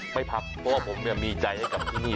ไม่พักเพราะว่าผมมีใจให้กับที่นี่